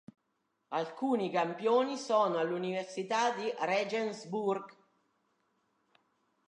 Alcuni campioni sono all'Università di Regensburg.